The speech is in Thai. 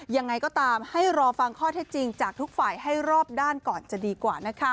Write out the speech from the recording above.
ยังไงก็ตามให้รอฟังข้อเท็จจริงจากทุกฝ่ายให้รอบด้านก่อนจะดีกว่านะคะ